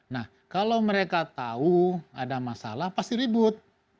nah kalau mereka tahu ada masalah pasti ribut